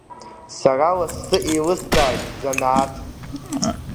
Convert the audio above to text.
Сара лассы еилыскааит сзанааҭ.